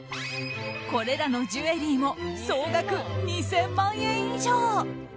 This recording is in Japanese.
これらのジュエリーも総額２０００万円以上。